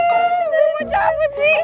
ga mau cabut sih